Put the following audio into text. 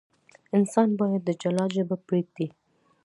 انسان باید د جلاد ژبه پرېږدي.